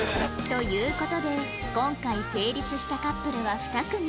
という事で今回成立したカップルは２組